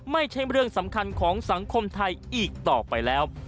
ไม่ใช่เรื่องสำคัญของสังคมไทยอีกต่อไปแล้ว